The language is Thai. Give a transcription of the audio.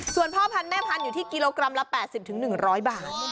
ส่วนพ่อพันธุแม่พันธุ์อยู่ที่กิโลกรัมละ๘๐๑๐๐บาท